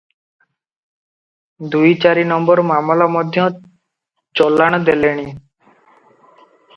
ଦୁଇ ଚାରି ନମ୍ବର ମାମଲା ମଧ୍ୟ ଚଲାଣ ଦେଲେଣି ।